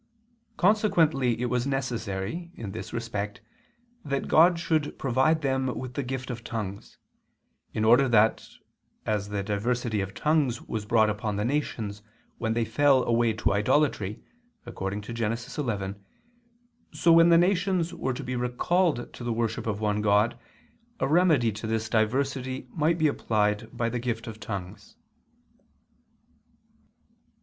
Consequently it was necessary, in this respect, that God should provide them with the gift of tongues; in order that, as the diversity of tongues was brought upon the nations when they fell away to idolatry, according to Gen. 11, so when the nations were to be recalled to the worship of one God a remedy to this diversity might be applied by the gift of tongues.